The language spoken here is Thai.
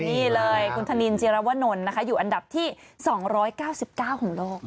นี่เลยคุณธนินจิรวนลอยู่อันดับที่๒๙๙ของโลก